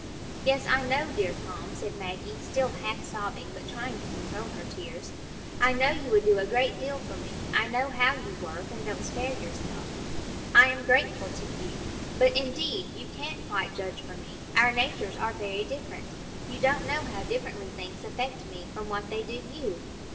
"Yes, I know, dear Tom," said Maggie, still half sobbing, but trying to control her tears. "I know you would do a great deal for me; I know how you work, and don't spare yourself. I am grateful to you. But, indeed, you can't quite judge for me; our natures are very different. You don't know how differently things affect me from what they do you."